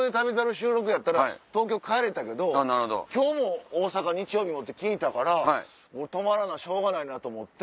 収録やったら東京帰れたけど今日も大阪日曜日もって聞いたから泊まらなしょうがないなと思って。